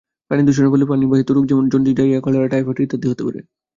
পানিদূষণের ফলে পানিবাহিত রোগ যেমন জন্ডিস, ডায়রিয়া, কলেরা, টাইফয়েড ইত্যাদি হতে পারে।